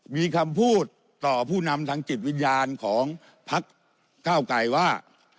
มีคำพูดต่อผู้นำทางจิตวิญญาณของพักเก้าไก่ว่า